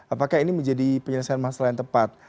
apakah ini menjadi penyelesaian masalah yang tepat